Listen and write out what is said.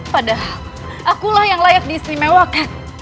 padahal akulah yang layak diistimewakan